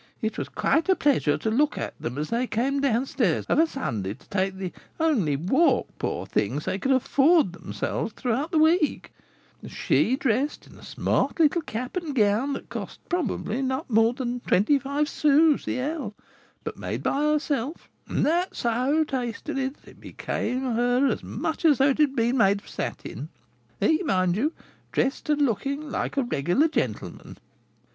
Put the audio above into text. It was quite a pleasure to look at them as they came down stairs of a Sunday to take the only walk, poor things! they could afford themselves throughout the week; she dressed in a smart little cap and a gown that cost, probably, not more than twenty five sous the ell, but made by herself, and that so tastily that it became her as much as though it had been of satin; he, mind ye, dressed and looking like a regular gentleman."